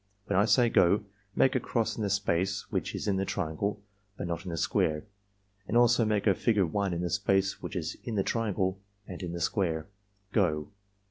When I say 'go' make a cross in the space which is in the triangle but not in the square, and also make a figure 1 in the space which is in the triangle and in the square. — Go!"